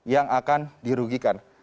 yang akan dirugikan